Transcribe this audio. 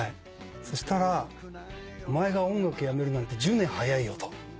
そしたら「お前が音楽やめるなんて１０年早いよ」と。